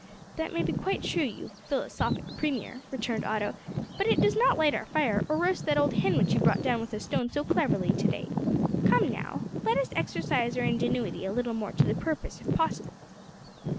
"That may be quite true, you philosophic Premier," returned Otto, "but it does not light our fire, or roast that old hen which you brought down with a stone so cleverly to day. Come, now, let us exercise our ingenuity a little more to the purpose, if possible."